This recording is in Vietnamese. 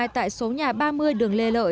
tại số nhà ba mươi đường lê lợi